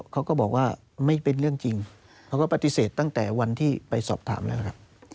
เขาก็บอกว่าไม่เป็นเรื่องจริงเขาก็ปฏิเสธตั้งแต่วันที่ไปสอบถามแล้วครับ